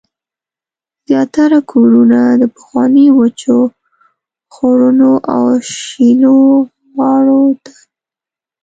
زیاتره کورونه د پخوانیو وچو خوړونو او شیلو غاړو ته